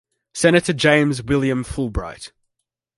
Senator James William Fulbright.